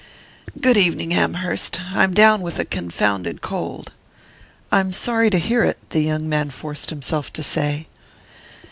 "Good evening, Amherst. I'm down with a confounded cold." "I'm sorry to hear it," the young man forced himself to say.